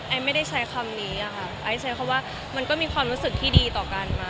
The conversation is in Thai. ไอไม่ได้ใช้คำนี้อะคะ